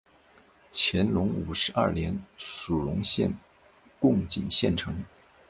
乾隆五十二年署荣县贡井县丞。